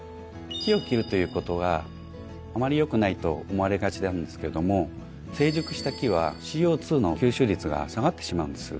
木を切るということがあまり良くないと思われがちなんですけども成熟した木はＣＯ２の吸収率が下がってしまうんです。